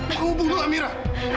menghubung dulu amira